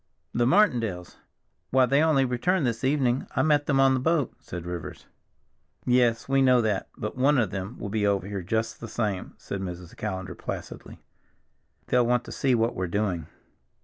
"The Martindales! Why, they only returned this evening—I met them on the boat," said Rivers. "Yes, we know that, but one of them will be over here just the same," said Mrs. Callender placidly. "They'll want to see what we're doing.